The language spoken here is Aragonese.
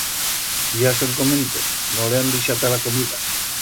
Ya son comendo, no le han deixata la comida